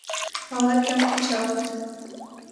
Ала-кӧм кычалыт...